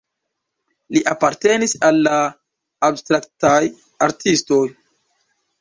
Li apartenis al la abstraktaj artistoj.